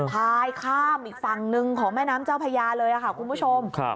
พายข้ามอีกฝั่งหนึ่งของแม่น้ำเจ้าพญาเลยค่ะคุณผู้ชม